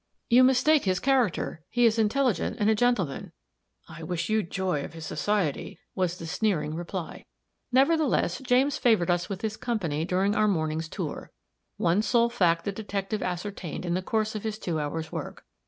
"You mistake his character. He is intelligent and a gentleman." "I wish you joy of his society," was the sneering reply. Nevertheless, James favored us with his company during our morning's tour. One sole fact the detective ascertained in the course of his two hours' work.